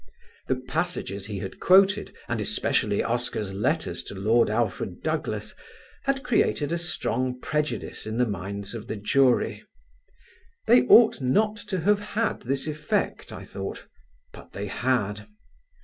The passages he had quoted, and especially Oscar's letters to Lord Alfred Douglas, had created a strong prejudice in the minds of the jury. They ought not to have had this effect, I thought, but they had.